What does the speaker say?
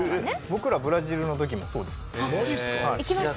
僕らブラジルの時もそうです。